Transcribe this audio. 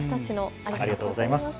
ありがとうございます。